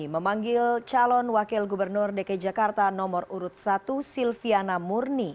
memanggil calon wakil gubernur dki jakarta nomor urut satu silviana murni